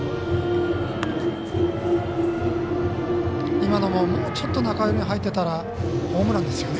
今のももうちょっと高めに入っていたらホームランですよね。